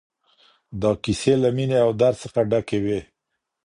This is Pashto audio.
دا کيسې له مينې او درد څخه ډکې وې.